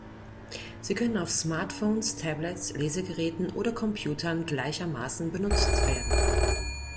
Sie können auf Smartphones, Tablets, Lesegeräten oder Computern gleichermaßen benutzt werden.